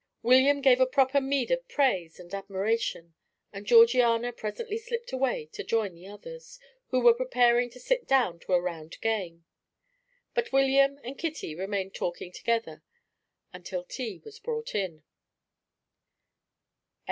William gave a proper meed of praise and admiration, and Georgiana presently slipped away to join the others, who were preparing to sit down to a round game; but William and Kitty remained talking together until tea was brought in.